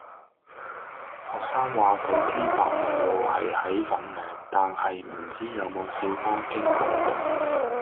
學生話佢知百和路係喺粉嶺，但係唔知有冇小巴經嗰度